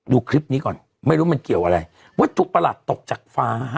ดูคลิปนี้ก่อนไม่รู้มันเกี่ยวอะไรวัตถุประหลาดตกจากฟ้าฮะ